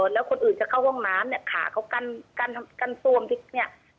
แล้วคนอื่นจะเข้าห้องน้ำขาก็กั้นซ่วมนิดนี่